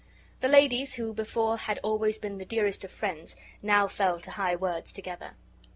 The ladies, who before bad always been the dearest of friends, now fell to high words together.